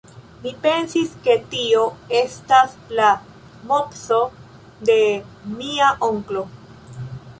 Mi pensis, ke tio estas la mopso de mia onklo.